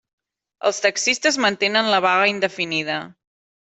Els taxistes mantenen la vaga indefinida.